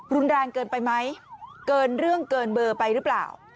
รุนแรงเกินไปไหมเกินเรื่องเกินเบอร์ไปหรือเปล่า